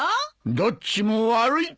どっちも悪い。